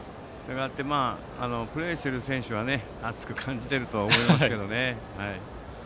プレーしている選手は暑く感じていると思いますけれどもね。